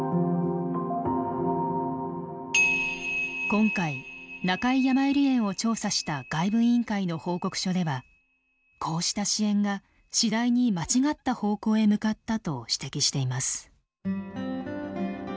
今回中井やまゆり園を調査した外部委員会の報告書ではこうした支援が次第に間違った方向へ向かったと指摘しています。